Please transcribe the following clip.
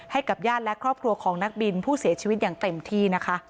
ให้กับญาติและครอบครัวของนักบินผู้เสียชีวิตอย่างเต็มที่นะคะ